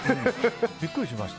ビックリしました。